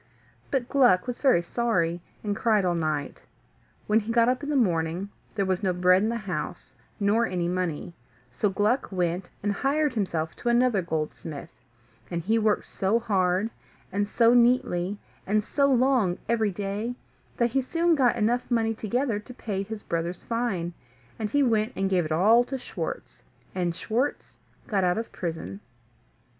But Gluck was very sorry, and cried all night. When he got up in the morning there was no bread in the house, nor any money; so Gluck went and hired himself to another goldsmith, and he worked so hard, and so neatly, and so long every day, that he soon got money enough together to pay his brother's fine, and he went and gave it all to Schwartz, and Schwartz got out of prison.